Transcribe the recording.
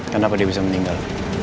kenapa dia bisa meninggal